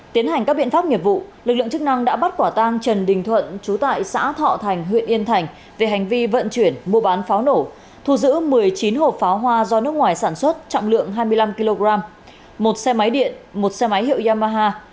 tiến hành các biện pháp nghiệp vụ lực lượng chức năng đã bắt quả tang trần đình thuận trú tại xã thọ thành huyện yên thành về hành vi vận chuyển mua bán pháo nổ thu giữ một mươi chín hộp pháo hoa do nước ngoài sản xuất trọng lượng hai mươi năm kg một xe máy điện một xe máy hiệu yamaha